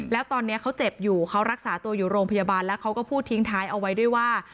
แล้วตอนนี้เขาเจ็บอยู่เขารักษาตัวอยู่โรงพยาบาลแล้วเขาก็พูดทิ้งท้ายเอาไว้ด้วยว่า